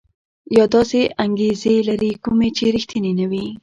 یا داسې انګېزې لري کومې چې ريښتيني نه وي.